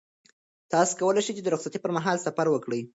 تاسو کولای شئ چې د رخصتۍ پر مهال سفر وکړئ.